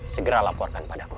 segera laporkan padaku